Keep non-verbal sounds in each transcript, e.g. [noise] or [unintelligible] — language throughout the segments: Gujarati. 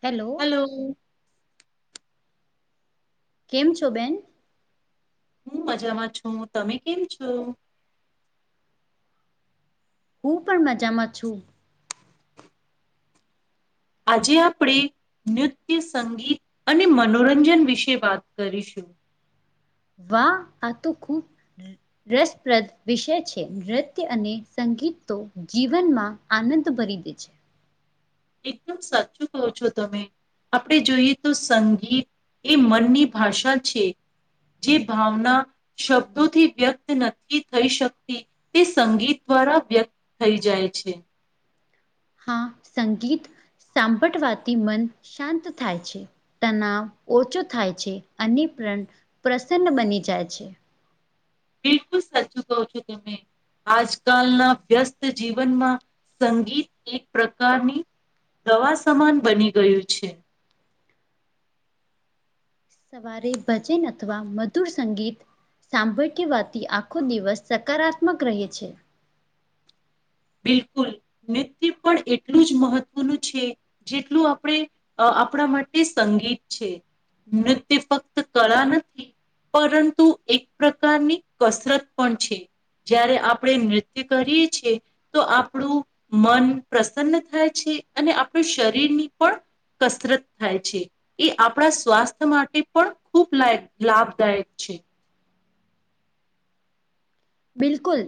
હેલો. તો કેમ છો બેેન. હું મજામાં છું તમે કેમ છો. હું પણ મજામાં છું. આજે આપણે નૃત્ય સંગીત અને મનોરંજન વિશે વાત કરીશું. વાહ આ તો ખૂબ રસપ્રદ વિષય છે નૃત્ય અને સંગીત તો જીવનમાં આનંદ ભરી દે છે. એકદમ સાચું કહો છો તમે. આપણે જોઈએ તો સંગીત એ મનની ભાષા છે. જે ભાવના શબ્દોથી વ્યક્ત નથી થઈ શકતી તે સંગીત દ્વારા વ્યક્ત થઈ જાય છે. હા સંગીત સાંભળવાથી મન શાંત થાય છે. તનાવ ઓછો થાય છે. અને પ્રણ પ્રસન્ન બની જાય છે. બિલકુલ સાચું કો છો તમે. આજકાલના વ્યસ્ત જીવનમાં સંગીત એક પ્રકારની દવા સમાન બની ગયું છે. સવારે ભજન અથવા મધુર સંગીત સાંભળ કવાથી આખો દિવસ સકારાત્મક રહે છે. બિલકુલ નૃત્ય પણ એટલું જ મહત્વનું છે. જેટલું આપણે આપણા માટે સંગીત છે. નૃત્ય ફક્ત કળા નથી. પરંતુ એક પ્રકારની કસરત પણ છે. જયારે આપણે નૃત્ય કરીએ છીએ. તો આપણું મન પ્રસન્ન થાય છે અને આપણું શરીરની પણ કસરત થાય છે. એ આપણા સ્વાસ્થ્ય માટે પણ ખૂબ લ લાભદાયક છે. બિલકુલ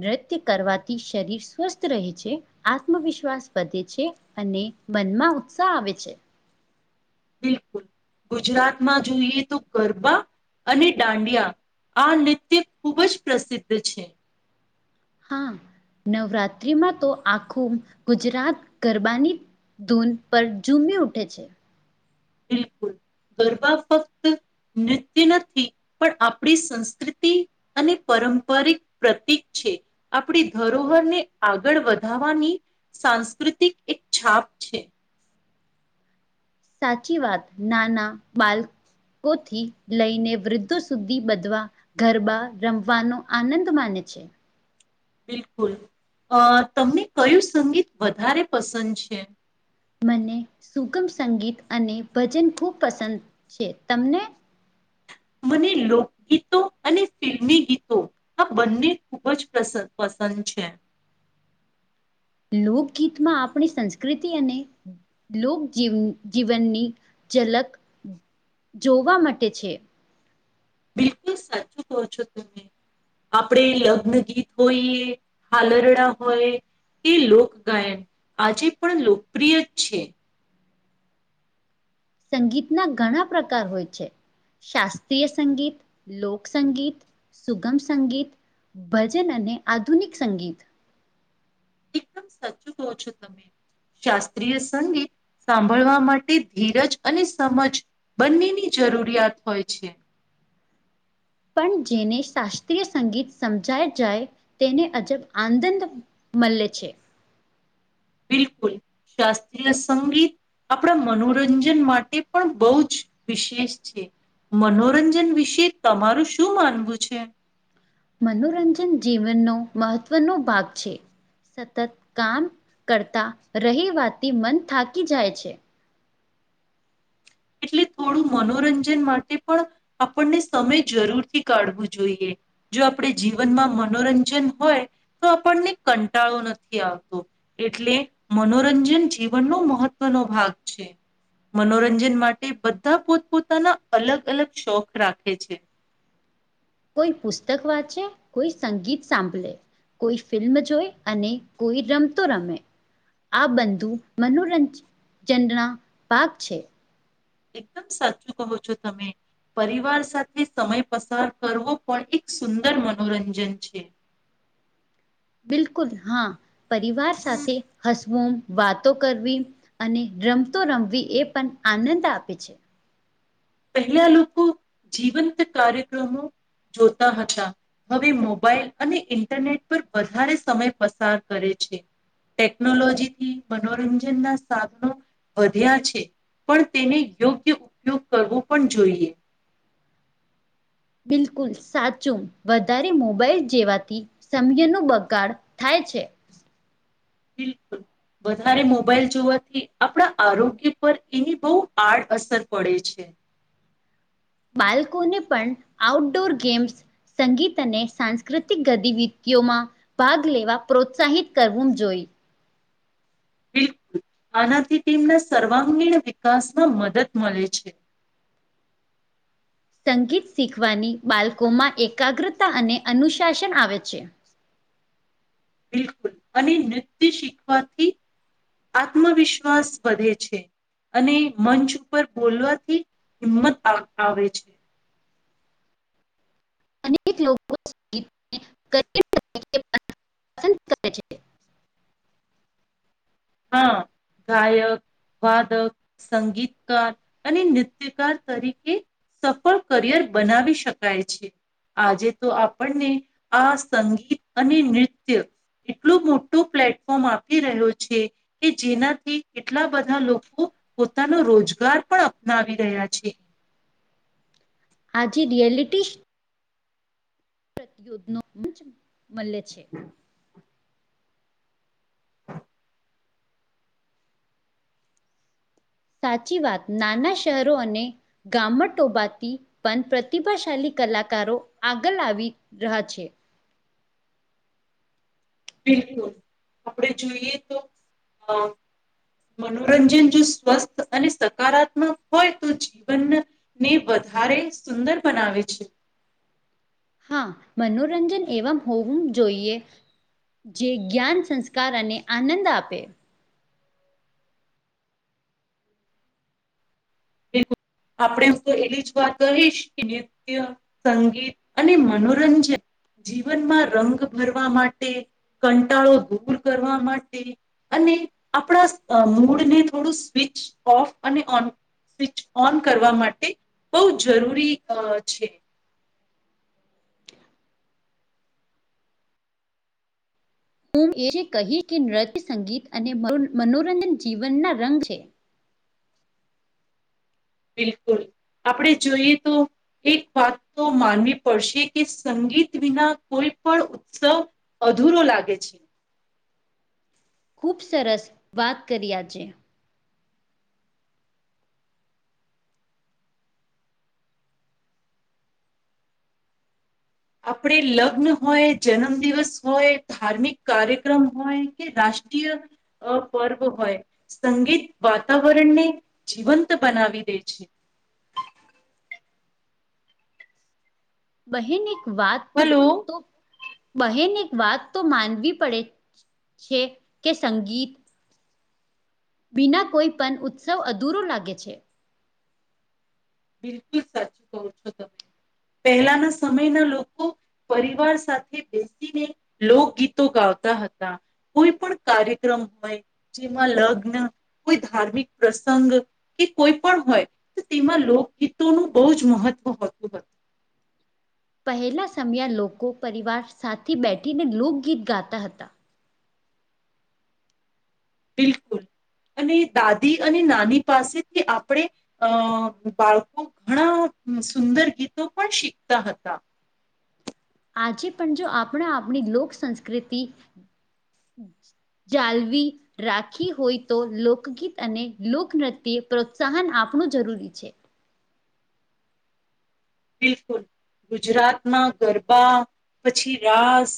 નૃત્ય કરવાથી શરીર સ્વસ્થ રહે છે. આત્મવિશ્વાસ વધે છે અને મનમાં ઉત્સાહ આવે છે. બિલકુલ ગુજરાતમાં જોઈએ તો ગરબા અને દાંડિયા આ નૃત્ય ખૂબ જ પ્રસિદ્ધ છે. હા નવરાત્રીમાં તો આખું ગુજરાત ગરબાની ધૂન પર ઝૂમી ઉઠે છે. બિલકુલ ગરબા ફક્ત નૃત્ય નથી. પણ આપણી સંસ્કૃતિ અને પરંપરિક પ્રતિક છે. આપણી ધરોહરને આગળ વધાવાની સાંસ્કૃતિક એક છાપ છે. સાચી વાત નાના બાલ. થી લઈને વૃદ્ધો સુ્ધી બધવા. ગરબા રમવાનો આનંદ માને છે. બિલકુલ અ તમને કયું સંગીત વધારે પસંદ છે. મને સુગમ સંગીત અને ભજન ખૂબ પસંદ છે તમને. મને લોકગીતો અને ફિલ્મી ગીતો. આ બંને ખુબ જસ પસંદ છે. લોકગીત માં આપણી સંસ્કૃતિ અને. લોક જ જીવનની ઝલક જોવા માટે છે. બિલકુલ સચ પહછો તુમે. આપણે લગ્ન ગીત હોઈએ હાલરડા હોય. એ લોકગાયન આજે પણ લોકપ્રિય જ છે. સંગીતના ઘણા પ્રકાર હોય છે. શાસ્ત્રીય સંગીત લોકસંગીત સુગમ સંગીત. ભજન અને આધુનિક સંગીત. એકમ સચ કહ છો તમે શાસ્ત્રીય સંગીત. સાંભળવા માટે ધીરજ અને સમજ બંનેની જરૂરિયાત હોય છે. પણ જેને શાસ્ત્રીય સંગીત સમજાય જાય તેને અજબ આનંદ. મલે છે. બિલકુલ શાસ્ત્રીય સંગીત. આપણા મનોરંજન માટે પણ બહુ જ વિશેષ છે. મનોરંજન વિશે તમારું શું માનવું છે. મનોરંજન જીવનનો મહત્વનો ભાગ છે. સતત કામ કરતાં રહીવાથી મન થાકી જાય છે. એટલે થોડું મનોરંજન માટે પણ. આપણને સમય જરૂરથી કાઢવું જોઈએ. જો આપણે જીવનમાં મનોરંજન હોય તો આપણને કંટાળો નથી આવતો. એટલે મનોરંજન જીવનનો મહત્વનો ભાગ છે મનોરંજન માટે. માટે બધા પોતપોતાના અલગ અલગ શોખ રાખે છે. કોઈ પુસ્તક વાંચે કોઈ સંગીત સાંભલે. કોઈ ફિલ્મ જોય અને કોઈ રમતો રમે. આ બંધુ મનોરંજજના પાક છે. એકદમ સાચું કહો છો તમે. પરિવાર સાથે સમય પસાર કરવો પણ એક સુંદર મનોરંજન છે. બિલકુલ હા પરિવાર સાથે હસ. વાતો કરવી અને રમતો રમવી એ પણ આનંદ આપે છે. પહેલા લોકો જીવંત કાર્યક્રમો જોતા હતા હવે મોબાઈલ અને ઇન્ટરનેટ પર વધારે સમય પસાર કરે છે ટેકનોલોજી થી મનોરંજન ના સાધનો વધ્યા છે. પણ તેને યોગ્ય. કરવું પણ જોઈએ. બિલકુલ સાચું વધારે મોબાઈલ જેવાથી. સમ્ય નું બગાડ થાય છે. બિલકુલ. વધારે મોબાઈલ જોવાથી આપણા આરોગ્ય પર એની બહુ આડઅસર પડે છે. બાળકોને પણ આઉટડોર ગેમ્સ. સંગીત અને સાંસ્કૃતિક ગતિવિધિઓમાં. ભાગ લેવા પ્રોત્સાહિત કરવું જોઈ. બિલકુલ આનાથી ટીમના સર્વાંગીણ વિકાસમાં મદદ મળે છે. સંગીત શીખવાની બાળકોમાં એકાગ્રતા અને અનુશાસન આવે છે. બિલકુલ અને નૃત્ય શીખવાથી આત્મવિશ્વાસ વધે છે. અને મંચ ઉપર બોલવાથી હિંમત આવે આવે છે. અક લોકોીબ [inaudible] પસંદ કર છે. હા ગાયક. વાદક સંગીતકાર અને નૃત્યકાર તરીકે સફળ કરિયર બનાવી શકાય છે. આજે તો આપણને આ સંગીત અને નૃત્ય એટલું મોટું પ્લેટફોર્મ આપી રહ્યો છે. કે જેનાથી એટલા બધા લોકો પોતાનો રોજગાર પણ અપનાવી રહ્યા છે. આજે રિયાલિટી. [inaudible] મળ્ય છે હા [unintelligible] સાચી વાત નાના શહેરો અને ગામટોબાથી પણ પ્રતિભાશાલી કલાકારો આગલ આવી. રહા છે. બિલકુલ આપડે જોઈએ તો. મનોરંજન જો સ્વસ્થ અને સકારાત્મક હોય તો જીવન. ને વધારે સુંદર બનાવે છે. હા મનોરંજન એવમ હોવું જોઈએ. જે જ્ઞાન સંસ્કાર અને આનંદ આપે. બુ આપણેે હ તો એલી જ વાત કહીશ કે નિત્ય સંગીત અને મનોરંજન. જીવનમાં રંગ ભરવા માટે કંટાળો દૂર કરવા માટે. અને આપણા અ મૂડને થોડું સ્વિચ ઓફ અને ઓન. સ્વિચ ઓન કરવા માટે બહુ જરૂરી છે. હું એ કહીશ કે નૃત્ય સંગીત અને મનો મનોરંજન જીવન ના રંગ છે. બિલકુલ આપણે જોઈએ તો. એક વાત તો માનવી પડશે કે સંગીત વિના કોઈ પણ ઉત્સવ અધૂરો લાગે છે. ખુબ સરસ વાત કરી આજે. આપણે લગ્ન હોય જન્મ દિવસ હોય ધાર્મિક કાર્યક્રમ હોય કે રાષ્ટ્રીય અ પર્વ હોય સંગીત વાતાવરણને જીવંત બનાવી દે છે. બહેન એક વાત હલો તો બહેન એક વાત તો માનવી પડે છે કે સંગીત બિના કોઈ પણ ઉત્સવ અધૂરો લાગે છે. બિલકુલ સાચું કો છો તમે પહેલાના સમયના લોકો પરિવાર સાથે બેસીને લોકગીતો ગાવતા હતા. કોઈ પણ કાર્યક્રમ હોય જેમાં લગ્ન કોઈ ધાર્મિક પ્રસંગ કે કોઈ પણ હોય તો તેમાં લો ગીતોનું બહુ જ મહત્વ હતું. પહેલાં સમયા લોકો પરિવાર સાથે બેઠીને લોકગીત ગાતા હતા. બિલકુલ અને દાદી અને નાની પાસેથી આપણે અ બાળકો ઘણા સુંદર ગીતો પણ શીખતા હતા. આજે પણ જો આપણા આપણી લોક સંંસ્કૃતિ જાાલવી રાખી હોય તો લોકગીત અને લોકનૃત્યે પ્રોત્સાહન આપણું જરૂરી છે. બિલકુલ, ગુજરાતના ગરબા પછી રાસ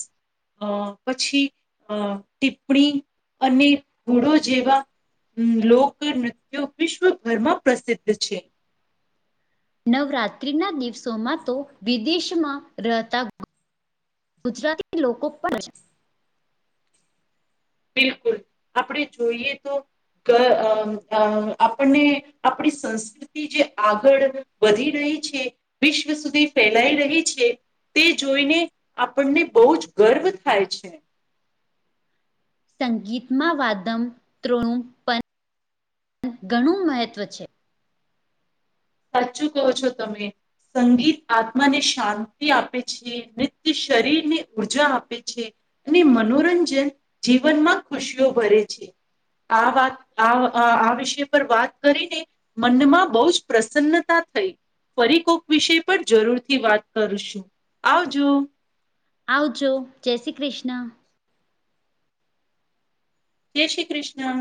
અ પછી અ ટીપ્પણી અને ગુરુ જેવા લોકનૃત્યો વિશ્વભરમાં પ્રસિદ્ધ છે. નવરાત્રીના દિવસોમાં તો વિદેશમાં રહતા ગુજરાતી લોકો પણ [unintelligible] બિલકુલ, આપડે જોઈએ તો ધ અ અ આપણને આપણી સંસ્ જે આગળ વધી રહી છે, વિશ્વ સુધી ફેલાઈ રહી છે. તે જોઈને આપણને બહુ જ ગર્વ થાય છે. સંગીતમાં વાદમ ત્રૃણું પણ ઘણું મહત્ત્વ છે. સાચું કહો છો, તમે સંગીત આત્માને શાંતિ આપે છે, મૃત શરીરને ઉર્જા આપે છે. ને મનોરંજન જીવનમાં ખુશીઓ ભરે છે. આ વાત આ અ આ વિષય પર વાત કરીને મનમાં બઉ જ પ્રસન્નતા થઈ. ફરી કોક વિષય પર જરૂરથી વાત કરશું, આવજો આવજો, જય શ્રી ક્રિષ્ણ જય શ્રી કૃષ્ણ